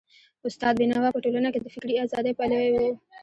استاد بينوا په ټولنه کي د فکري ازادۍ پلوی و.